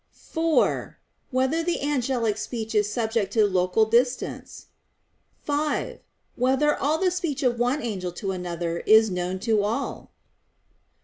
(4) Whether the angelic speech is subject to local distance? (5) Whether all the speech of one angel to another is known to all?